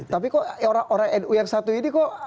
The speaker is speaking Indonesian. tapi kok orang nu yang satu ini kok